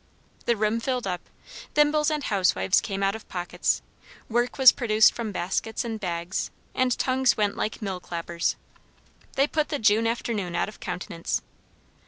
The room filled up; thimbles and housewives came out of pockets; work was produced from baskets and bags; and tongues went like mill clappers. They put the June afternoon out of countenance.